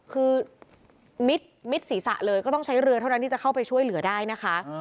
คือมิดศีรษะเลยก็ต้องใช้เรือเท่านั้นที่จะเข้าไปช่วยเหลือได้นะคะ